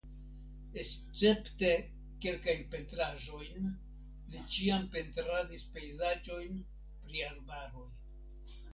Escepte kelkajn pentraĵojn li ĉiam pentradis pejzaĝojn pri arbaroj.